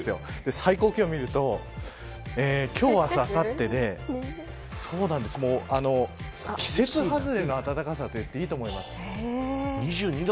最高気温見ると今日明日あさってで季節外れの暖かさと言っていいと思います。